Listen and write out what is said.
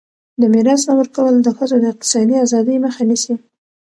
د میراث نه ورکول د ښځو د اقتصادي ازادۍ مخه نیسي.